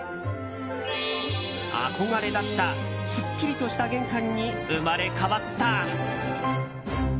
憧れだったすっきりとした玄関に生まれ変わった。